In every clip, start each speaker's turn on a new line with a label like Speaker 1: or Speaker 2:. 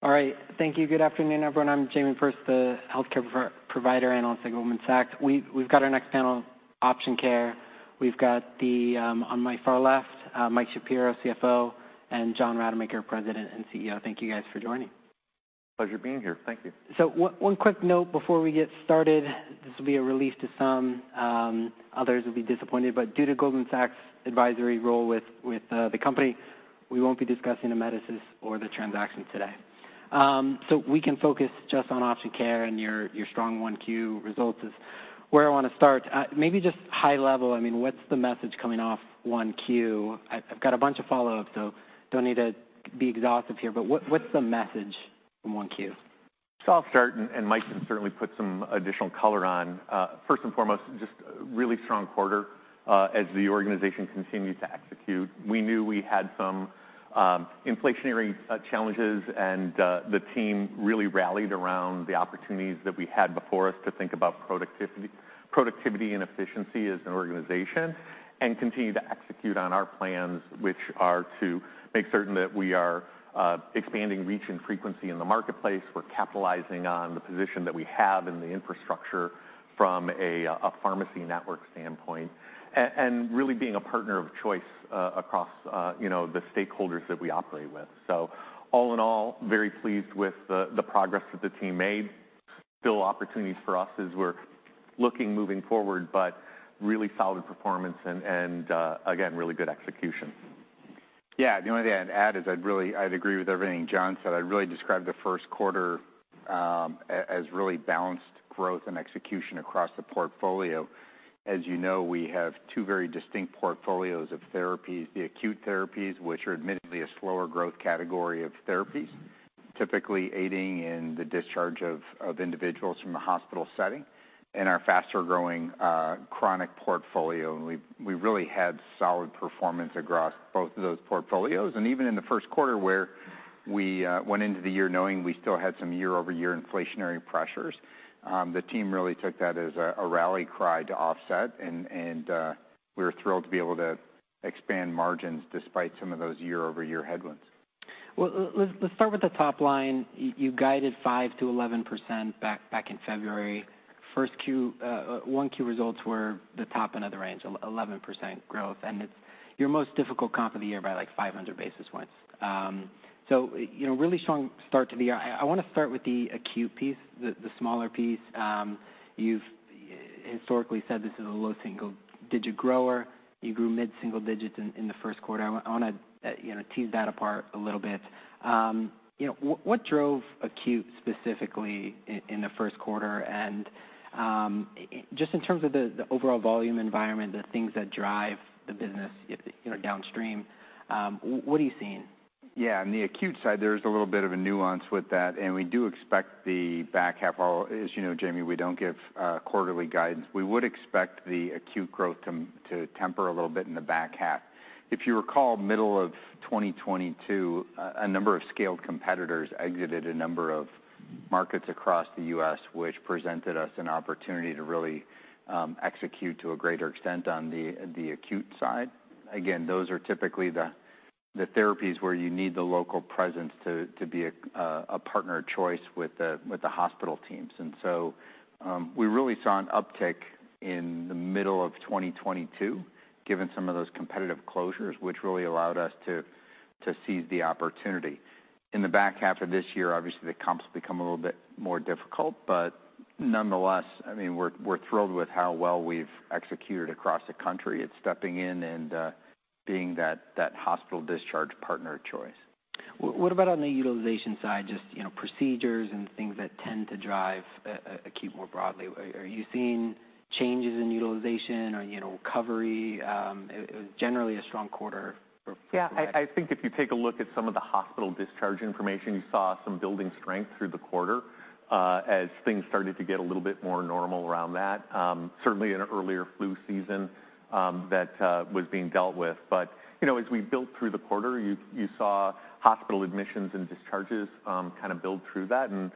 Speaker 1: All right. Thank you. Good afternoon, everyone. I'm Jamie Perse, the Healthcare Provider Analyst at Goldman Sachs. We've got our next panel, Option Care. We've got the on my far left, Mike Shapiro, CFO, and John Rademacher, President and CEO. Thank you guys for joining.
Speaker 2: Pleasure being here. Thank you.
Speaker 1: One quick note before we get started. This will be a release to some, others will be disappointed, due to Goldman Sachs' advisory role with the company, we won't be discussing Amedisys or the transaction today. We can focus just on Option Care and your strong 1Q results is where I want to start. Maybe just high level, I mean, what's the message coming off 1Q? I've got a bunch of follow-up, don't need to be exhaustive here, what's the message from 1Q?
Speaker 2: I'll start, and Mike can certainly put some additional color on. First and foremost, just a really strong quarter, as the organization continued to execute. We knew we had some inflationary challenges, and the team really rallied around the opportunities that we had before us to think about productivity and efficiency as an organization, and continue to execute on our plans, which are to make certain that we are expanding reach and frequency in the marketplace. We're capitalizing on the position that we have in the infrastructure from a pharmacy network standpoint, and really being a partner of choice, across, you know, the stakeholders that we operate with. All in all, very pleased with the progress that the team made. Still opportunities for us as we're looking moving forward. Really solid performance and again, really good execution.
Speaker 3: Yeah, the only thing I'd add is I'd really agree with everything John said. I'd really describe the first quarter as really balanced growth and execution across the portfolio. As you know, we have two very distinct portfolios of therapies: the acute therapies, which are admittedly a slower growth category of therapies, typically aiding in the discharge of individuals from a hospital setting, and our faster-growing chronic portfolio. We really had solid performance across both of those portfolios. Even in the first quarter, where we went into the year knowing we still had some year-over-year inflationary pressures, the team really took that as a rally cry to offset, and we were thrilled to be able to expand margins despite some of those year-over-year headwinds.
Speaker 1: Well, let's start with the top line. You guided 5%-11% back in February. 1Q results were the top end of the range, 11% growth, and it's your most difficult comp of the year by, like, 500 basis points. You know, really strong start to the year. I want to start with the acute piece, the smaller piece. You've historically said this is a low single-digit grower. You grew mid-single digits in the first quarter. I wanna, you know, tease that apart a little bit. You know, what drove acute specifically in the first quarter? Just in terms of the overall volume environment, the things that drive the business, you know, downstream, what are you seeing?
Speaker 2: Yeah, on the acute side, there's a little bit of a nuance with that, and we do expect the back half, or as you know, Jamie, we don't give quarterly guidance. We would expect the acute growth to temper a little bit in the back half. If you recall, middle of 2022, a number of scaled competitors exited a number of markets across the U.S., which presented us an opportunity to really execute to a greater extent on the acute side. Again, those are typically the therapies where you need the local presence to be a partner of choice with the hospital teams. So, we really saw an uptick in the middle of 2022, given some of those competitive closures, which really allowed us to seize the opportunity. In the back half of this year, obviously, the comps become a little bit more difficult, but nonetheless, I mean, we're thrilled with how well we've executed across the country. It's stepping in and being that hospital discharge partner of choice.
Speaker 1: What about on the utilization side, just, you know, procedures and things that tend to drive acute more broadly? Are you seeing changes in utilization or, you know, recovery? It was generally a strong quarter for.
Speaker 2: Yeah, I think if you take a look at some of the hospital discharge information, you saw some building strength through the quarter, as things started to get a little bit more normal around that. Certainly an earlier flu season that was being dealt with. You know, as we built through the quarter, you saw hospital admissions and discharges kind of build through that, and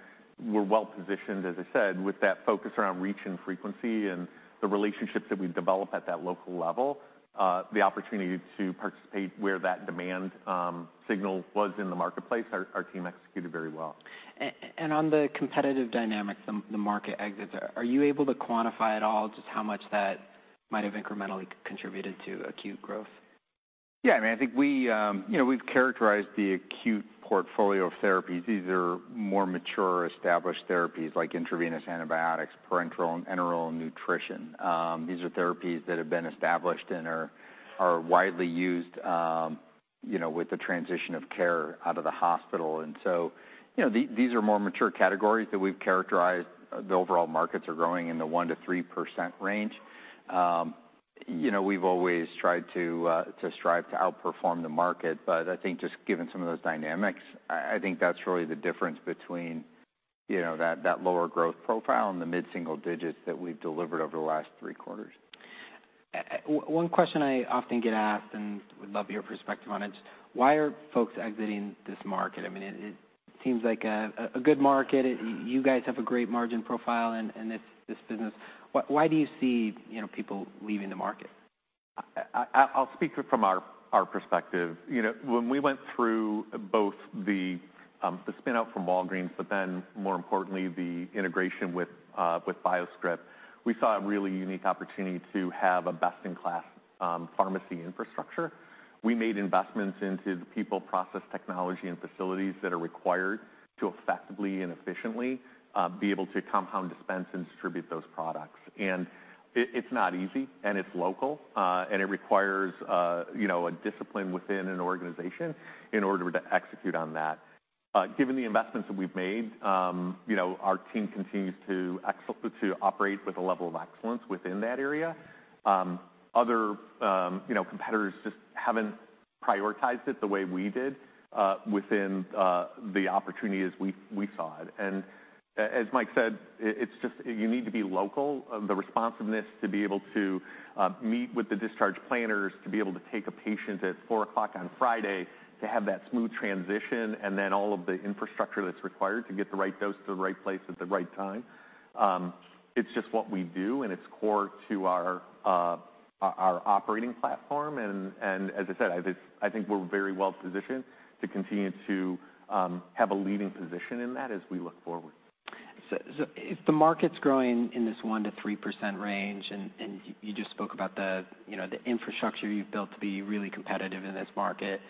Speaker 2: we're well positioned, as I said, with that focus around reach and frequency and the relationships that we've developed at that local level, the opportunity to participate where that demand signal was in the marketplace, our team executed very well.
Speaker 1: On the competitive dynamics, the market exits, are you able to quantify at all just how much that might have incrementally contributed to acute growth?
Speaker 2: Yeah, I mean, I think we, you know, we've characterized the acute portfolio of therapies. These are more mature, established therapies, like intravenous antibiotics, parenteral and enteral nutrition. These are therapies that have been established and are widely used, you know, with the transition of care out of the hospital. You know, these are more mature categories that we've characterized. The overall markets are growing in the 1%-3% range. You know, we've always tried to strive to outperform the market, but I think just given some of those dynamics, I think that's really the difference between, you know, that lower growth profile and the mid-single digits that we've delivered over the last three quarters.
Speaker 1: One question I often get asked, and would love your perspective on it, why are folks exiting this market? I mean, it seems like a good market. You guys have a great margin profile in this business. Why do you see, you know, people leaving the market?
Speaker 2: I'll speak from our perspective. You know, when we went through both the spin-out from Walgreens, but then more importantly, the integration with BioScrip, we saw a really unique opportunity to have a best-in-class pharmacy infrastructure. We made investments into the people, process, technology, and facilities that are required to effectively and efficiently be able to compound, dispense, and distribute those products. It's not easy, and it's local, and it requires a, you know, a discipline within an organization in order to execute on that. Given the investments that we've made, you know, our team continues to excel to operate with a level of excellence within that area. Other, you know, competitors just haven't prioritized it the way we did within the opportunity as we saw it. As Mike said, it's just. You need to be local. The responsiveness to be able to meet with the discharge planners, to be able to take a patient at 4:00 P.M. on Friday, to have that smooth transition, and then all of the infrastructure that's required to get the right dose to the right place at the right time, it's just what we do, and it's core to our operating platform. As I said, I think we're very well positioned to continue to have a leading position in that as we look forward.
Speaker 1: If the market's growing in this 1%-3% range, and you just spoke about the, you know, the infrastructure you've built to be really competitive in this market,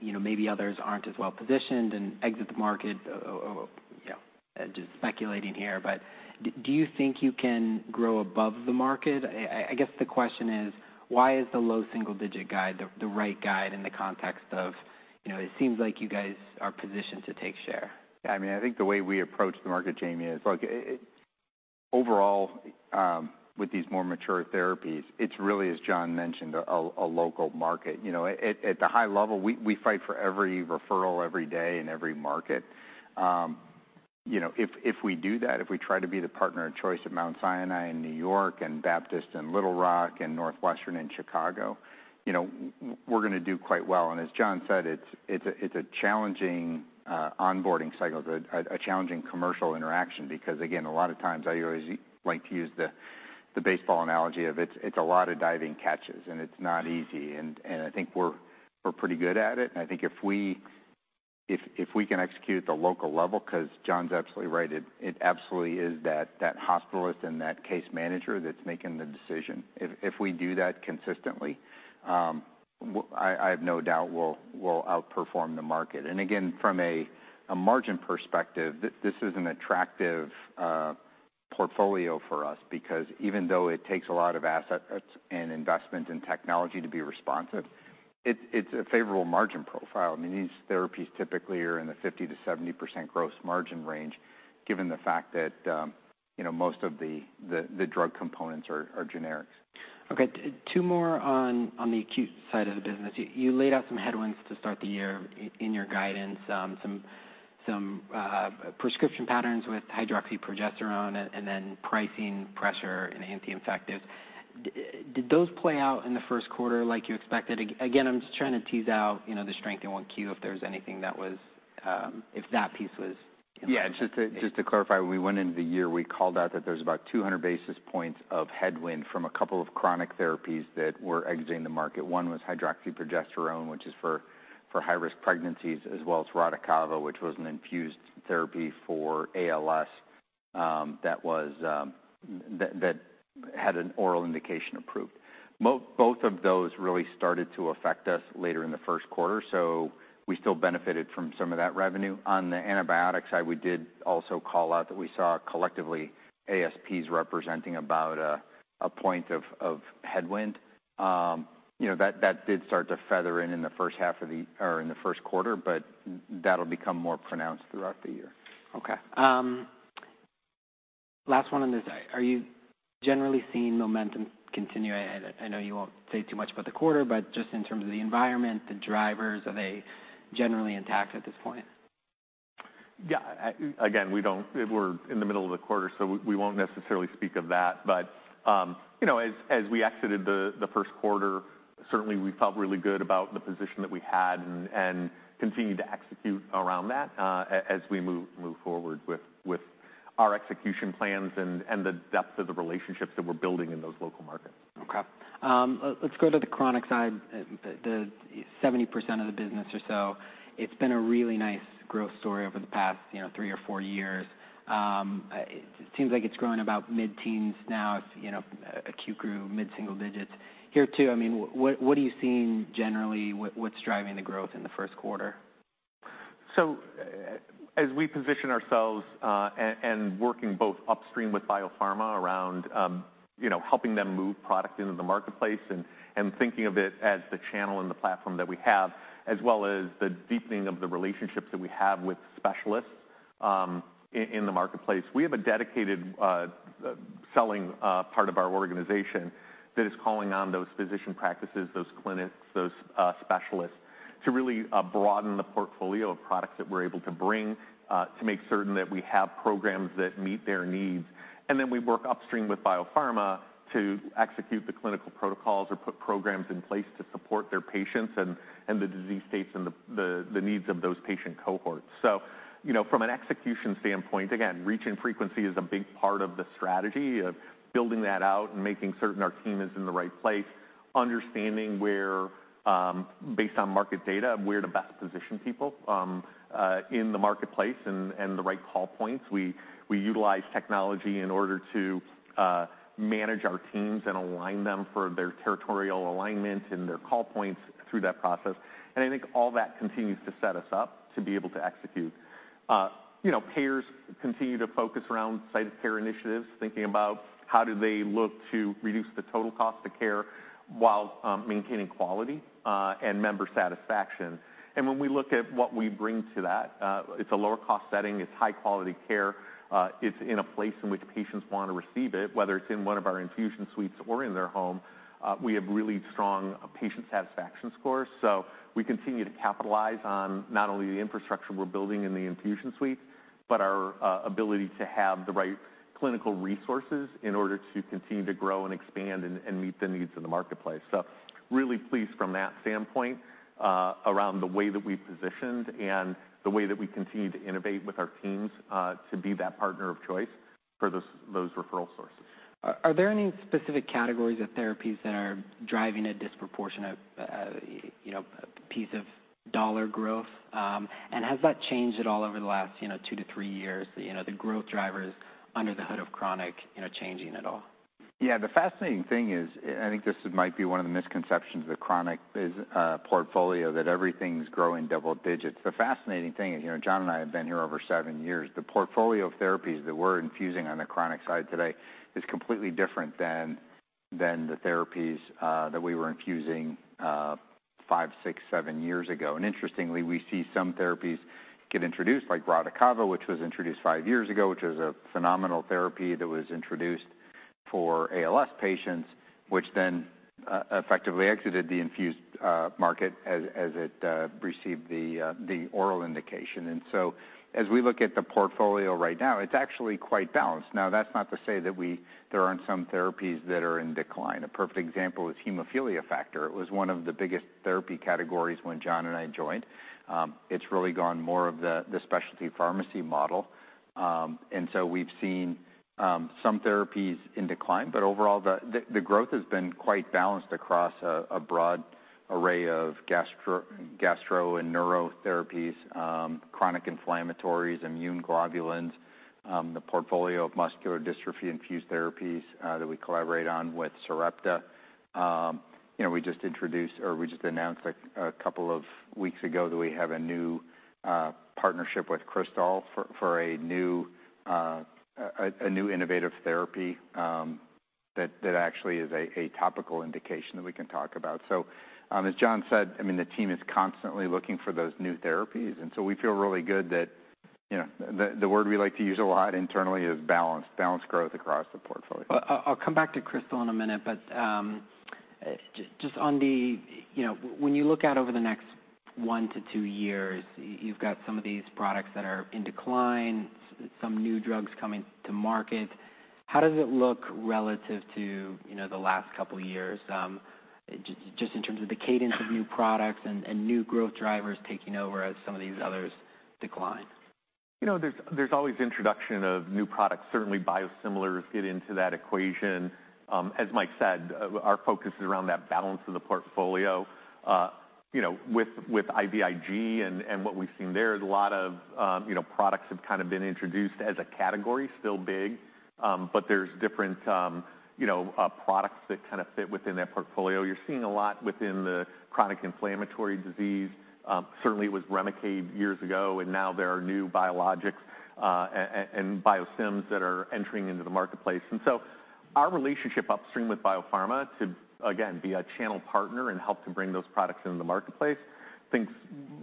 Speaker 1: you know, maybe others aren't as well positioned and exit the market, or, you know, just speculating here, but do you think you can grow above the market? I guess, the question is: Why is the low single-digit guide the right guide in the context of, you know, it seems like you guys are positioned to take share?
Speaker 3: I mean, I think the way we approach the market, Jamie, is, like, overall, with these more mature therapies, it's really, as John mentioned, a local market. You know, at the high level, we fight for every referral every day in every market. You know, if we do that, if we try to be the partner of choice at Mount Sinai in New York, and Baptist in Little Rock, and Northwestern in Chicago, you know, we're gonna do quite well. As John said, it's a challenging onboarding cycle, a challenging commercial interaction, because, again, a lot of times, I always like to use the baseball analogy of it's a lot of diving catches, and it's not easy, and I think we're pretty good at it, and I think if we can execute at the local level, 'cause John's absolutely right, it absolutely is that hospitalist and that case manager that's making the decision. If we do that consistently, I have no doubt we'll outperform the market. Again, from a margin perspective, this is an attractive portfolio for us because even though it takes a lot of assets and investment in technology to be responsive, it's a favorable margin profile. I mean, these therapies typically are in the 50%-70% gross margin range, given the fact that, you know, most of the drug components are generics.
Speaker 1: Okay, two more on the acute side of the business. You laid out some headwinds to start the year in your guidance, some prescription patterns with hydroxyprogesterone and then pricing pressure in the anti-infectives. Did those play out in the first quarter like you expected? Again, I'm just trying to tease out, you know, the strength in 1Q, if there's anything that was. If that piece was, you know.
Speaker 3: Yeah, just to clarify, when we went into the year, we called out that there's about 200 basis points of headwind from a couple of chronic therapies that were exiting the market. One was hydroxyprogesterone, which is for high-risk pregnancies, as well as Radicava, which was an infused therapy for ALS, that had an oral indication approved. Both of those really started to affect us later in the first quarter, so we still benefited from some of that revenue. On the antibiotic side, we did also call out that we saw collectively ASPs representing about 1 point of headwind. you know, that did start to feather in in the first quarter, but that'll become more pronounced throughout the year.
Speaker 1: Okay. last one on this. Are you generally seeing momentum continue? I know you won't say too much about the quarter, but just in terms of the environment, the drivers, are they generally intact at this point?
Speaker 2: Again, we're in the middle of the quarter, so we won't necessarily speak of that. You know, as we exited the first quarter, certainly we felt really good about the position that we had and continue to execute around that as we move forward with our execution plans and the depth of the relationships that we're building in those local markets.
Speaker 1: Okay. Let's go to the chronic side, the 70% of the business or so. It's been a really nice growth story over the past, you know, 3 or 4 years. It seems like it's growing about mid-teens now. It's, you know, acute grew mid-single digits. Here, too, I mean, what are you seeing generally? What's driving the growth in the first quarter?
Speaker 2: As we position ourselves, and working both upstream with biopharma around, you know, helping them move product into the marketplace and thinking of it as the channel and the platform that we have, as well as the deepening of the relationships that we have with specialists, in the marketplace, we have a dedicated, selling, part of our organization that is calling on those physician practices, those clinics, those, specialists, to really, broaden the portfolio of products that we're able to bring, to make certain that we have programs that meet their needs. Then we work upstream with biopharma to execute the clinical protocols or put programs in place to support their patients and the disease states and the needs of those patient cohorts. You know, from an execution standpoint, again, reach and frequency is a big part of the strategy of building that out and making certain our team is in the right place, understanding where, based on market data, where to best position people in the marketplace and the right call points. We utilize technology in order to manage our teams and align them for their territorial alignment and their call points through that process. I think all that continues to set us up to be able to execute. You know, payers continue to focus around site of care initiatives, thinking about how do they look to reduce the total cost of care while maintaining quality and member satisfaction. When we look at what we bring to that, it's a lower cost setting, it's high-quality care, it's in a place in which patients want to receive it, whether it's in one of our infusion suites or in their home. We have really strong patient satisfaction scores. We continue to capitalize on not only the infrastructure we're building in the infusion suite, but our ability to have the right clinical resources in order to continue to grow and expand and meet the needs of the marketplace. Really pleased from that standpoint, around the way that we've positioned and the way that we continue to innovate with our teams, to be that partner of choice for those referral sources.
Speaker 1: Are there any specific categories of therapies that are driving a disproportionate, you know, piece of dollar growth? Has that changed at all over the last, you know, 2 to 3 years? You know, the growth drivers under the hood of chronic, you know, changing at all.
Speaker 3: Yeah, the fascinating thing is, I think this might be one of the misconceptions of the chronic portfolio, that everything's growing double digits. The fascinating thing is, you know, John and I have been here over 7 years. The portfolio of therapies that we're infusing on the chronic side today is completely different than the therapies that we were infusing 5, 6, 7 years ago. Interestingly, we see some therapies get introduced, like Radicava, which was introduced 5 years ago, which is a phenomenal therapy that was introduced for ALS patients, which then effectively exited the infused market as it received the oral indication. As we look at the portfolio right now, it's actually quite balanced. Now, that's not to say that there aren't some therapies that are in decline. A perfect example is hemophilia factor. It was one of the biggest therapy categories when John and I joined. It's really gone more of the specialty pharmacy model. We've seen some therapies in decline, but overall, the growth has been quite balanced across a broad array of gastro and neurotherapies, chronic inflammatories, immune globulins, the portfolio of muscular dystrophy infused therapies that we collaborate on with Sarepta. You know, we just introduced or we just announced a couple of weeks ago that we have a new partnership with Krystal for a new innovative therapy that actually is a topical indication that we can talk about. As John said, I mean, the team is constantly looking for those new therapies, and so we feel really good that, you know... The word we like to use a lot internally is balance, balanced growth across the portfolio.
Speaker 1: I'll come back to Krystal in a minute. Just on the, you know, when you look out over the next one to two years, you've got some of these products that are in decline, some new drugs coming to market. How does it look relative to, you know, the last couple of years, just in terms of the cadence of new products and new growth drivers taking over as some of these others decline?
Speaker 2: You know, there's always introduction of new products. Certainly, biosimilars get into that equation. As Mike said, our focus is around that balance in the portfolio. You know, with IVIG and what we've seen there, is a lot of, you know, products have kind of been introduced as a category, still big, but there's different, you know, products that kind of fit within that portfolio. You're seeing a lot within the chronic inflammatory disease. Certainly it was Remicade years ago, and now there are new biologics, and biosims that are entering into the marketplace. Our relationship upstream with biopharma to, again, be a channel partner and help to bring those products into the marketplace,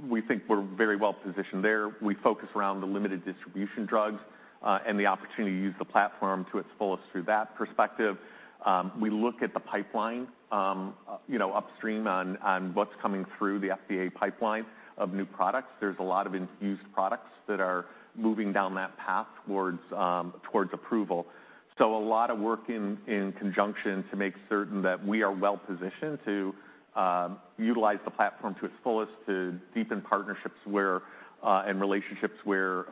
Speaker 2: we think we're very well positioned there. We focus around the limited distribution drugs, and the opportunity to use the platform to its fullest through that perspective. We look at the pipeline, you know, upstream on what's coming through the FDA pipeline of new products. There's a lot of infused products that are moving down that path towards approval. A lot of work in conjunction to make certain that we are well-positioned to utilize the platform to its fullest, to deepen partnerships where, and relationships where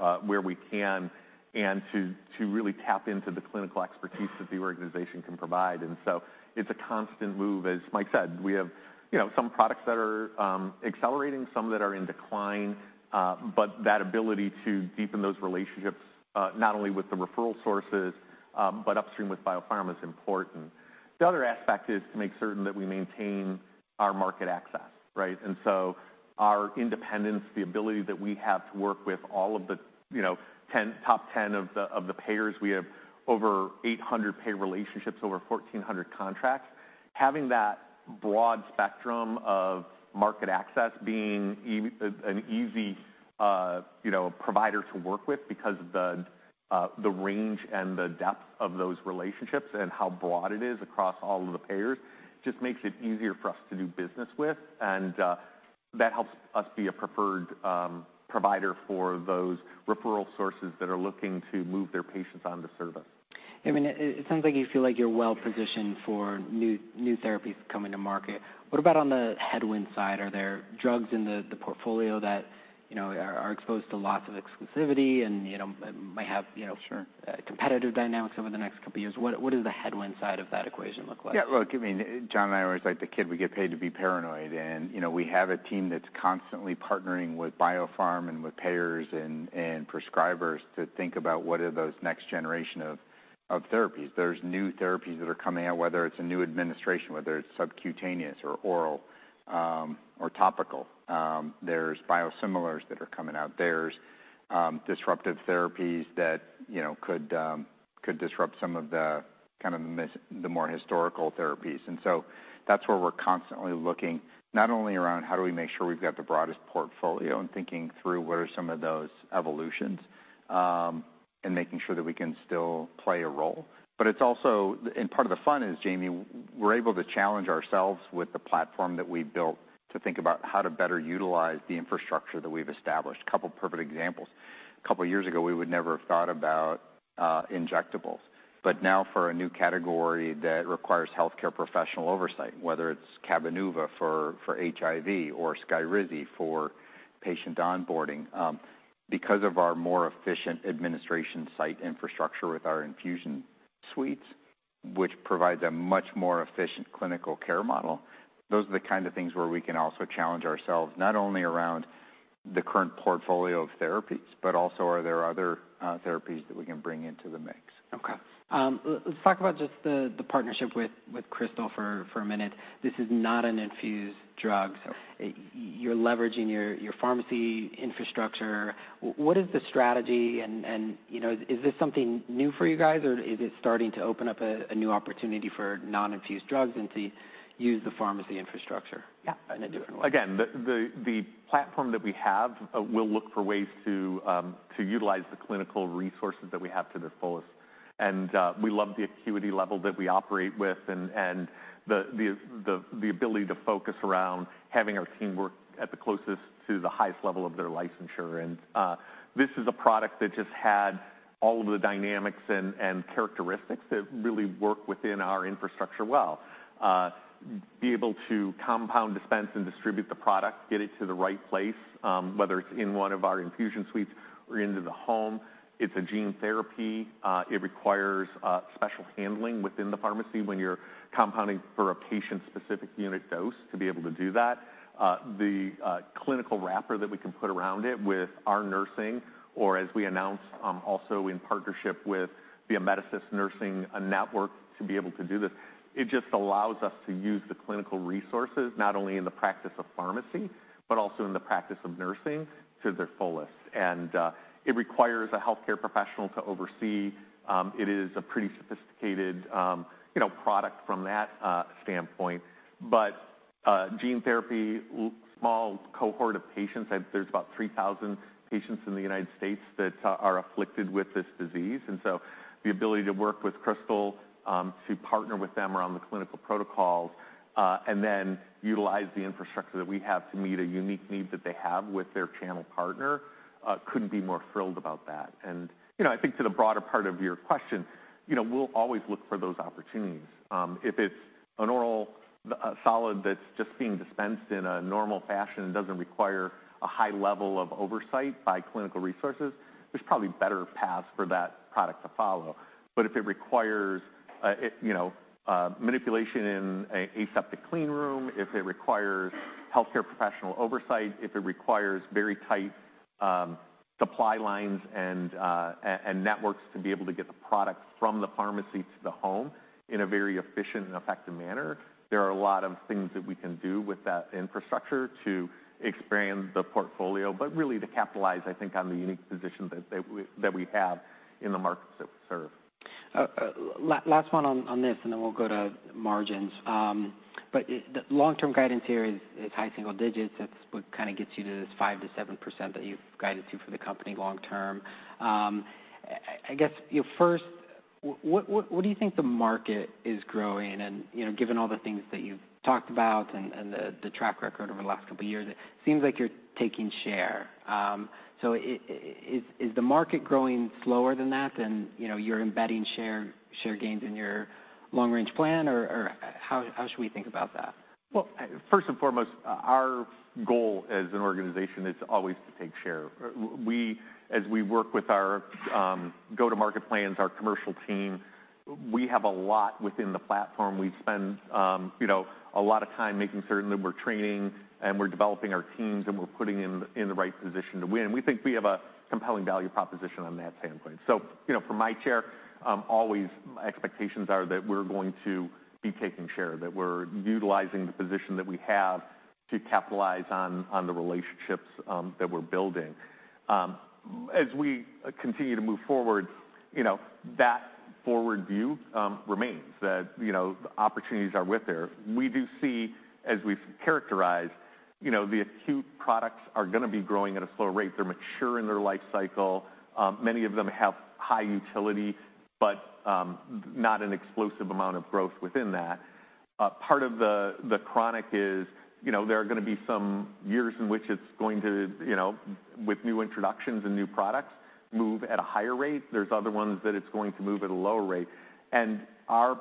Speaker 2: we can, and to really tap into the clinical expertise that the organization can provide. It's a constant move. As Mike said, we have, you know, some products that are accelerating, some that are in decline, but that ability to deepen those relationships, not only with the referral sources, but upstream with biopharma is important. The other aspect is to make certain that we maintain our market access, right. Our independence, the ability that we have to work with all of the, you know, top ten of the, of the payers, we have over 800 payer relationships, over 1,400 contracts. Having that broad spectrum of market access being an easy, you know, provider to work with because of the range and the depth of those relationships and how broad it is across all of the payers, just makes it easier for us to do business with. That helps us be a preferred provider for those referral sources that are looking to move their patients on to service.
Speaker 1: I mean, it sounds like you feel like you're well-positioned for new therapies coming to market. What about on the headwind side? Are there drugs in the portfolio that, you know, are exposed to lots of exclusivity and, you know, might have, you know?
Speaker 3: Sure.
Speaker 1: competitive dynamics over the next couple years? What does the headwind side of that equation look like?
Speaker 3: Yeah, look, I mean, John and I are always like the kid, we get paid to be paranoid. You know, we have a team that's constantly partnering with biopharma and with payers and prescribers to think about what are those next generation of therapies. There's new therapies that are coming out, whether it's a new administration, whether it's subcutaneous or oral, or topical. There's biosimilars that are coming out. There's disruptive therapies that, you know, could disrupt some of the kind of the more historical therapies. That's where we're constantly looking, not only around how do we make sure we've got the broadest portfolio and thinking through what are some of those evolutions, and making sure that we can still play a role, but it's also... Part of the fun is, Jamie, we're able to challenge ourselves with the platform that we've built to think about how to better utilize the infrastructure that we've established. A couple perfect examples. A couple years ago, we would never have thought about injectables, but now for a new category that requires healthcare professional oversight, whether it's Cabenuva for HIV or SKYRIZI for patient onboarding, because of our more efficient administration site infrastructure with our infusion suites, which provides a much more efficient clinical care model, those are the kind of things where we can also challenge ourselves, not only around the current portfolio of therapies, but also, are there other therapies that we can bring into the mix?
Speaker 1: Okay. Let's talk about just the partnership with Krystal for a minute. This is not an infused drug.
Speaker 2: Sure.
Speaker 1: You're leveraging your pharmacy infrastructure. What is the strategy, and, you know, is this something new for you guys, or is it starting to open up a new opportunity for non-infused drugs and to use the pharmacy infrastructure?
Speaker 2: Yeah
Speaker 1: in a different way?
Speaker 2: Again, the platform that we have, we'll look for ways to utilize the clinical resources that we have to the fullest. We love the acuity level that we operate with and the ability to focus around having our team work at the closest to the highest level of their licensure. This is a product that just had all of the dynamics and characteristics that really work within our infrastructure well. Be able to compound, dispense, and distribute the product, get it to the right place, whether it's in one of our infusion suites or into the home. It's a gene therapy. It requires special handling within the pharmacy when you're compounding for a patient-specific unit dose to be able to do that. The clinical wrapper that we can put around it with our nursing, or as we announced, also in partnership with the Amedisys Nursing Network, to be able to do this, it just allows us to use the clinical resources, not only in the practice of pharmacy, but also in the practice of nursing to their fullest. It requires a healthcare professional to oversee. It is a pretty sophisticated, you know, product from that standpoint. Gene therapy, small cohort of patients, there's about 3,000 patients in the United States that are afflicted with this disease. The ability to work with Krystal, to partner with them around the clinical protocols, and then utilize the infrastructure that we have to meet a unique need that they have with their channel partner, couldn't be more thrilled about that. You know, I think to the broader part of your question, you know, we'll always look for those opportunities. If it's an oral solid that's just being dispensed in a normal fashion and doesn't require a high level of oversight by clinical resources, there's probably better paths for that product to follow. If it requires, you know, manipulation in an aseptic clean room, if it requires healthcare professional oversight, if it requires very tight supply lines and networks to be able to get the product from the pharmacy to the home in a very efficient and effective manner, there are a lot of things that we can do with that infrastructure to expand the portfolio, but really to capitalize, I think, on the unique position that we have in the markets that we serve.
Speaker 1: Last one on this, and then we'll go to margins. The long-term guidance here is high single digits. That's what kind of gets you to this 5%-7% that you've guided to for the company long term. I guess, first, what do you think the market is growing? You know, given all the things that you've talked about and the track record over the last couple years, it seems like you're taking share. So is the market growing slower than that? You know, you're embedding share gains in your long-range plan, or how should we think about that?
Speaker 2: First and foremost, our goal as an organization is always to take share. As we work with our go-to-market plans, our commercial team, we have a lot within the platform. We spend, you know, a lot of time making certain that we're training and we're developing our teams, and we're putting them in the right position to win. We think we have a compelling value proposition on that standpoint. From my chair, always my expectations are that we're going to be taking share, that we're utilizing the position that we have to capitalize on the relationships that we're building. As we continue to move forward, you know, that forward view remains that, you know, the opportunities are with there. We do see, as we've characterized, you know, the acute products are gonna be growing at a slower rate. They're mature in their life cycle. Many of them have high utility, but not an explosive amount of growth within that. Part of the chronic is, you know, there are going to be some years in which it's going to, you know, with new introductions and new products, move at a higher rate. There's other ones that it's going to move at a lower rate. Our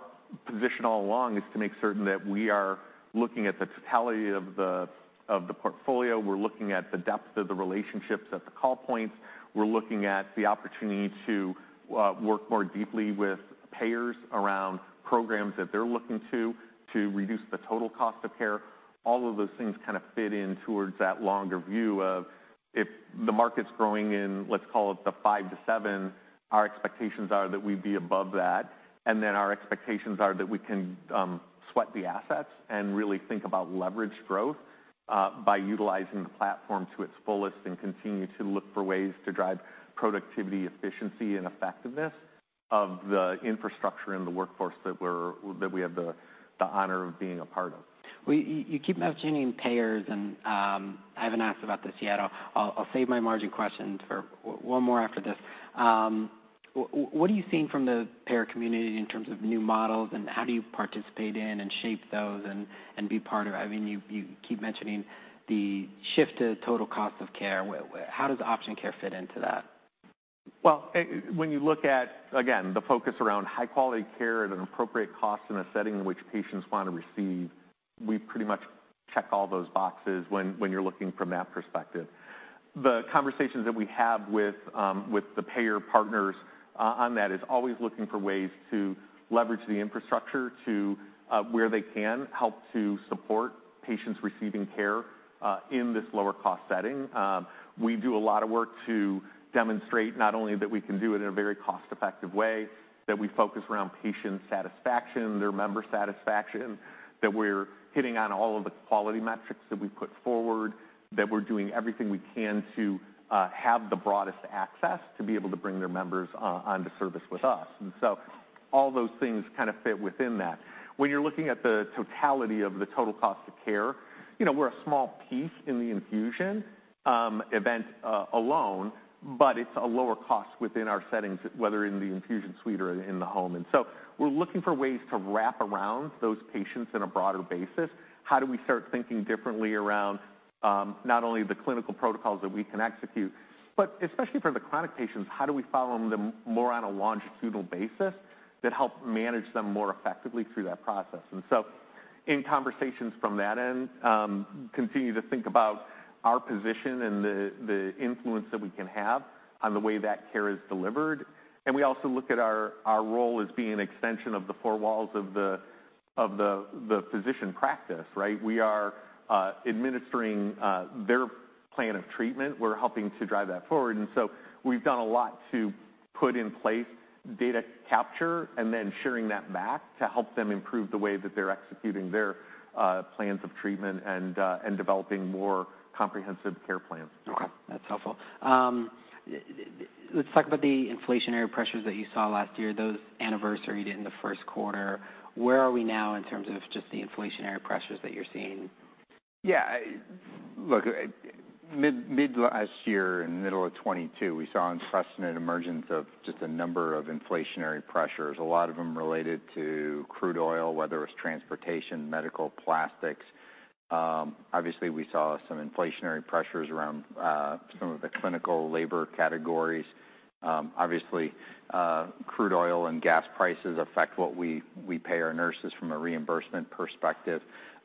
Speaker 2: position all along is to make certain that we are looking at the totality of the, of the portfolio. We're looking at the depth of the relationships at the call points. We're looking at the opportunity to work more deeply with payers around programs that they're looking to reduce the total cost of care. All of those things kind of fit in towards that longer view of if the market's growing in, let's call it the 5 to 7, our expectations are that we'd be above that. Our expectations are that we can sweat the assets and really think about leverage growth by utilizing the platform to its fullest and continue to look for ways to drive productivity, efficiency, and effectiveness of the infrastructure and the workforce that we have the honor of being a part of.
Speaker 1: Well, you keep mentioning payers and I haven't asked about this yet. I'll save my margin questions for one more after this. What are you seeing from the payer community in terms of new models, and how do you participate in and shape those and be part of... I mean, you keep mentioning the shift to total cost of care. Well, how does Option Care fit into that?
Speaker 2: Well, when you look at, again, the focus around high-quality care at an appropriate cost in a setting in which patients want to receive, we pretty much check all those boxes when you're looking from that perspective. The conversations that we have with the payer partners on that is always looking for ways to leverage the infrastructure to where they can help to support patients receiving care in this lower-cost setting. We do a lot of work to demonstrate not only that we can do it in a very cost-effective way, that we focus around patient satisfaction, their member satisfaction, that we're hitting on all of the quality metrics that we put forward, that we're doing everything we can to have the broadest access to be able to bring their members on to service with us. All those things kind of fit within that. When you're looking at the totality of the total cost of care, you know, we're a small piece in the infusion event alone, but it's a lower cost within our settings, whether in the infusion suite or in the home. We're looking for ways to wrap around those patients on a broader basis. How do we start thinking differently around not only the clinical protocols that we can execute, but especially for the chronic patients, how do we follow them more on a longitudinal basis that help manage them more effectively through that process? In conversations from that end, continue to think about our position and the influence that we can have on the way that care is delivered. We also look at our role as being an extension of the four walls of the, of the physician practice, right? We are administering their plan of treatment. We're helping to drive that forward. We've done a lot to put in place data capture and then sharing that back to help them improve the way that they're executing their plans of treatment and developing more comprehensive care plans.
Speaker 1: Okay, that's helpful. Let's talk about the inflationary pressures that you saw last year, those anniversaried in the first quarter. Where are we now in terms of just the inflationary pressures that you're seeing?
Speaker 3: Yeah, look, mid last year, in the middle of 2022, we saw an interesting emergence of just a number of inflationary pressures, a lot of them related to crude oil, whether it was transportation, medical, plastics. Obviously, we saw some inflationary pressures around some of the clinical labor categories. Obviously, crude oil and gas prices affect what we pay our nurses from a reimbursement perspective.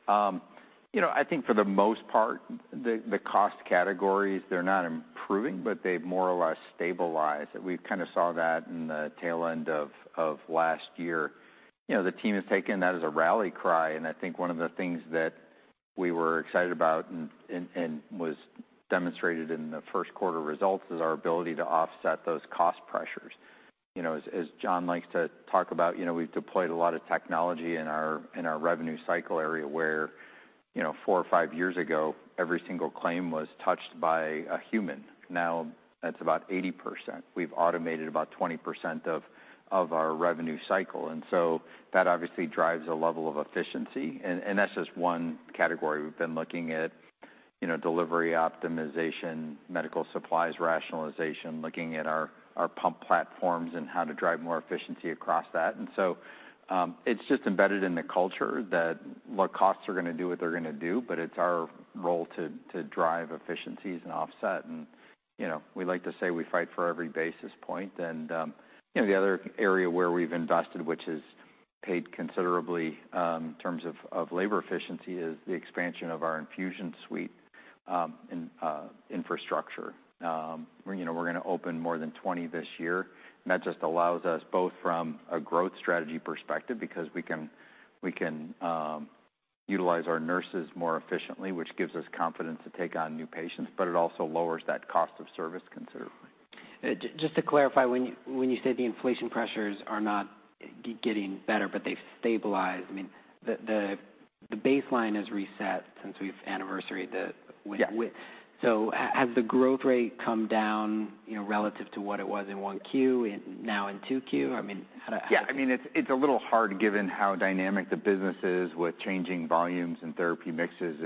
Speaker 3: You know, I think for the most part, the cost categories, they're not improving, but they've more or less stabilized. We've kind of saw that in the tail end of last year. You know, the team has taken that as a rally cry, and I think one of the things that we were excited about and was demonstrated in the first quarter results is our ability to offset those cost pressures. You know, as John likes to talk about, you know, we've deployed a lot of technology in our revenue cycle area, where, you know, four or five years ago, every single claim was touched by a human. Now, that's about 80%. We've automated about 20% of our revenue cycle, that obviously drives a level of efficiency. That's just one category. We've been looking at, you know, delivery optimization, medical supplies rationalization, looking at our pump platforms and how to drive more efficiency across that. It's just embedded in the culture that look, costs are going to do what they're going to do, but it's our role to drive efficiencies and offset. You know, we like to say we fight for every basis point. You know, the other area where we've invested, which has paid considerably, in terms of labor efficiency, is the expansion of our infusion suite, and infrastructure. You know, we're going to open more than 20 this year. That just allows us both from a growth strategy perspective because we can utilize our nurses more efficiently, which gives us confidence to take on new patients, but it also lowers that cost of service considerably.
Speaker 1: Just to clarify, when you say the inflation pressures are not getting better, but they've stabilized, I mean, the baseline has reset since we've anniversaried.
Speaker 3: Yeah.
Speaker 1: Has the growth rate come down, you know, relative to what it was in one Q, now in two Q? I mean,
Speaker 3: Yeah, I mean, it's a little hard, given how dynamic the business is with changing volumes and therapy mixes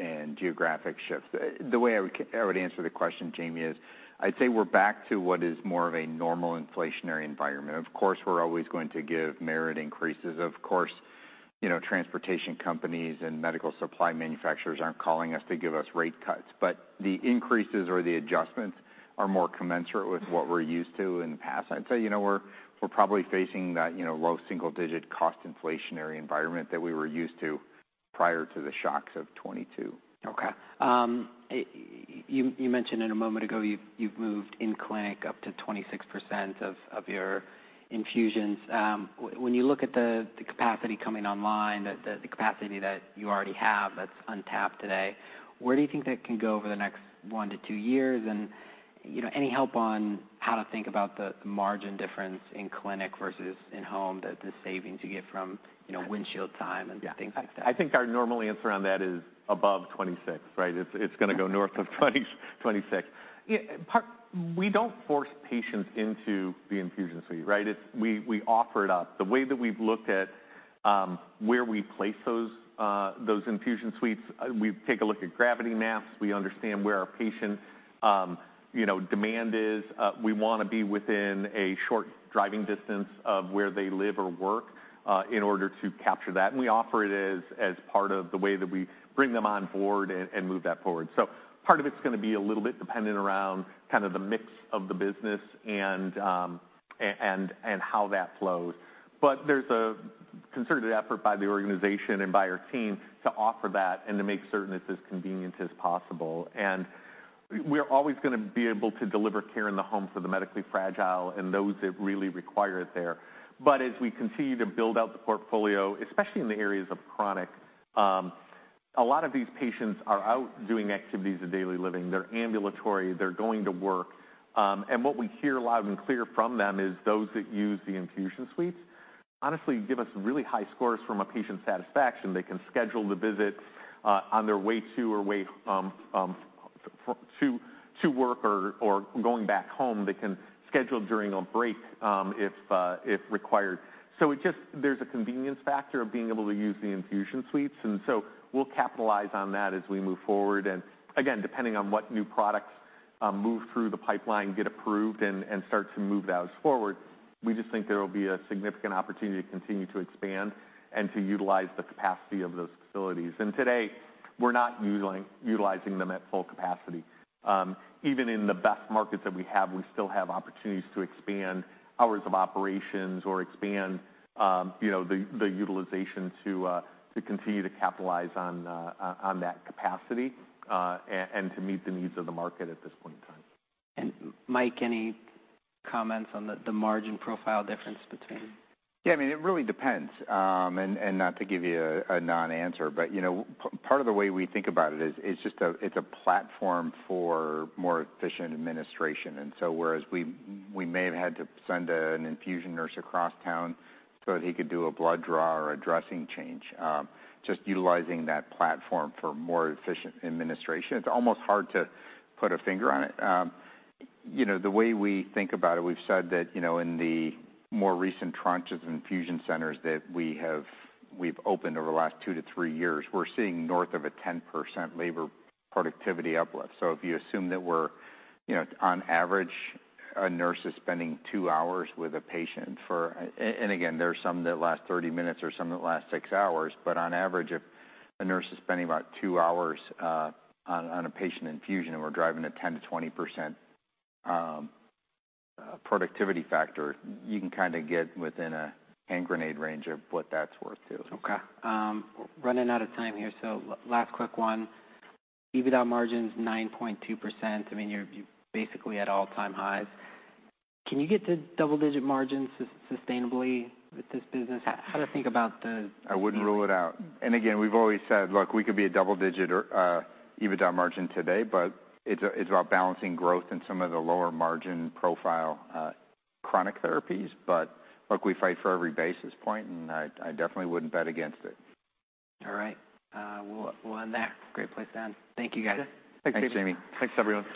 Speaker 3: and geographic shifts. The way I would answer the question, Jamie, is I'd say we're back to what is more of a normal inflationary environment. Of course, we're always going to give merit increases. Of course, you know, transportation companies and medical supply manufacturers aren't calling us to give us rate cuts, but the increases or the adjustments are more commensurate with what we're used to in the past. I'd say, you know, we're probably facing that, you know, low single-digit cost inflationary environment that we were used to prior to the shocks of 2022.
Speaker 1: Okay. You mentioned in a moment ago, you've moved in clinic up to 26% of your infusions. When you look at the capacity coming online, the capacity that you already have that's untapped today, where do you think that can go over the next 1 to 2 years? You know, any help on how to think about the margin difference in clinic versus in-home, the savings you get from, you know, windshield time and things like that?
Speaker 2: I think our normal answer on that is above 26, right? It's gonna go north of 26. We don't force patients into the infusion suite, right? We offer it up. The way that we've looked at where we place those infusion suites, we take a look at gravity maps. We understand where our patients', you know, demand is. We want to be within a short driving distance of where they live or work in order to capture that. We offer it as part of the way that we bring them on board and move that forward. Part of it's gonna be a little bit dependent around kind of the mix of the business and how that flows. There's a concerted effort by the organization and by our team to offer that and to make certain it's as convenient as possible. We're always gonna be able to deliver care in the home for the medically fragile and those that really require it there. As we continue to build out the portfolio, especially in the areas of chronic, a lot of these patients are out doing activities of daily living. They're ambulatory, they're going to work. What we hear loud and clear from them is those that use the infusion suites honestly give us really high scores from a patient satisfaction. They can schedule the visit on their way to or way to work or going back home. They can schedule during a break, if required. There's a convenience factor of being able to use the infusion suites. We'll capitalize on that as we move forward. Again, depending on what new products move through the pipeline, get approved and start to move those forward, we just think there will be a significant opportunity to continue to expand and to utilize the capacity of those facilities. Today, we're not utilizing them at full capacity. Even in the best markets that we have, we still have opportunities to expand hours of operations or expand, you know, the utilization to continue to capitalize on that capacity and to meet the needs of the market at this point in time.
Speaker 1: Mike, any comments on the margin profile difference between?
Speaker 3: Yeah, I mean, it really depends. And not to give you a non-answer, but, you know, part of the way we think about it is, it's just a platform for more efficient administration. Whereas we may have had to send an infusion nurse across town so that he could do a blood draw or a dressing change, just utilizing that platform for more efficient administration, it's almost hard to put a finger on it. You know, the way we think about it, we've said that, you know, in the more recent tranches of infusion centers that we've opened over the last 2 to 3 years, we're seeing north of a 10% labor productivity uplift. If you assume that we're, you know, on average, a nurse is spending 2 hours with a patient for... Again, there are some that last 30 minutes or some that last 6 hours. On average, if a nurse is spending about 2 hours on a patient infusion, and we're driving a 10%-20% productivity factor, you can kind of get within a hand grenade range of what that's worth, too.
Speaker 1: Okay. Running out of time here, last quick one. EBITDA margin's 9.2%. I mean, you're basically at all-time highs. Can you get to double-digit margins sustainably with this business? How to think about the-
Speaker 2: I wouldn't rule it out. Again, we've always said, look, we could be a double-digit EBITDA margin today, but it's about balancing growth in some of the lower margin profile chronic therapies. Look, we fight for every basis point, and I definitely wouldn't bet against it.
Speaker 1: All right. We'll end there. Great place to end. Thank you, guys.
Speaker 2: Thanks, Jamie.
Speaker 1: Thanks, everyone.